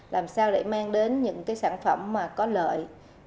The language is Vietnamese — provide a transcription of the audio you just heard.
làm sao để mang đến những cái sản phẩm mà có lợi